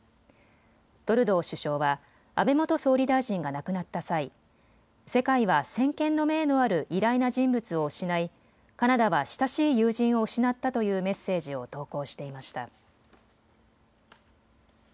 トルドー首相は安倍元総理大臣が亡くなった際、世界は先見の明のある偉大な人物を失いカナダは親しい友人を失ったというメッセージを投稿していました。